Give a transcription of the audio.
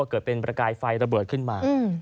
เกิดเป็นประกายไฟระเบิดขึ้นมา